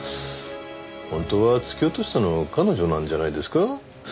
本当は突き落としたの彼女なんじゃないですか？